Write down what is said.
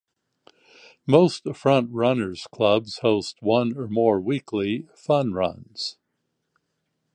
Most Front Runners clubs host one or more weekly fun runs.